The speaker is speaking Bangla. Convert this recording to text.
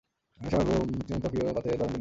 এই সময়ের ভূত্বকীয় পাতের ধরন ভিন্ন ছিল।